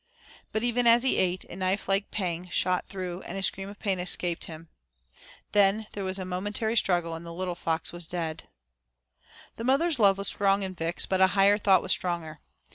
But even as he ate, a knife like pang shot through and a scream of pain escaped him. Then there was a momentary struggle and the little fox was dead. The mother's love was strong in Vix, but a higher thought was stronger.